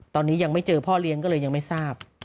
ตอนนี้ยังไม่เจอพ่อเลี้ยงก็เลยยังไม่ทราบ